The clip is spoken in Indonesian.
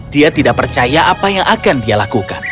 dia tidak percaya apa yang akan dia lakukan